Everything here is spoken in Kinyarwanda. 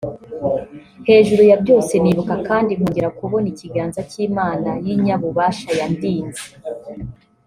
Hejuru ya byose nibuka kandi nkongera kubona ikiganza cy’Imana y’Inyabubasha yandinze